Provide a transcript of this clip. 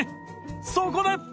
そこで！